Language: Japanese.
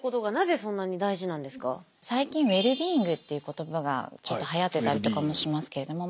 最近ウェルビーイングっていう言葉がちょっとはやってたりとかもしますけれども。